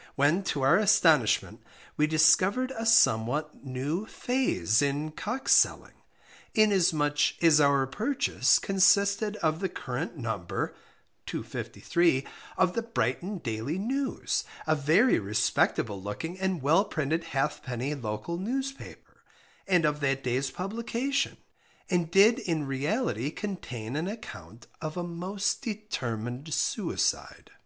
_ when to our astonishment we discovered a somewhat new phase in "Cock" selling, inasmuch as our purchase consisted of the current number (253) of the Brighton Daily News a very respectable looking and well printed Halfpenny Local Newspaper, and of that day's publication, and did in reality contain an account of a most determined suicide.